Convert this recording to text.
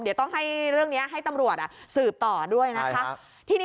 เดี๋ยวต้องให้เรื่องนี้ให้ตำรวจสืบต่อด้วยนะคะ